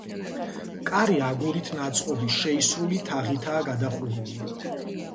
კარი აგურით ნაწყობი შეისრული თაღითაა გადახურული.